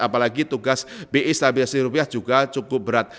apalagi tugas bi stabilisasi rupiah juga cukup berat